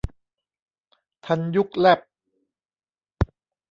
ทันยุคแลบ